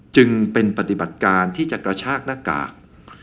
จึงเป็นปฏิบัติการที่จะกระชากหน้ากาก